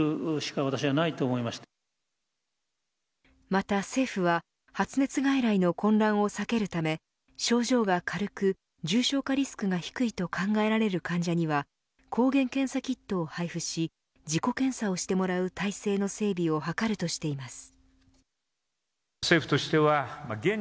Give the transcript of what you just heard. また、政府は発熱外来の混乱を避けるため症状が軽く、重症化リスクが低いと考えられる患者には抗原検査キットを配布し自己検査をしてもらう体制の整備を図るとしています。